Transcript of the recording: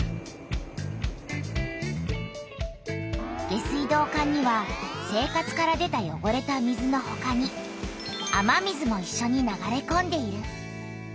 下水道管には生活から出たよごれた水のほかに雨水もいっしょに流れこんでいる。